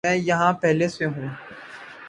میں یہاں پہلے سے ہوں